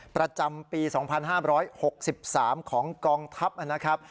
ประจำปี๒๕๖๓ของกองทัพนะครับ